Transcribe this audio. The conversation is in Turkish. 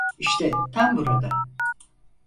İşte tam burada.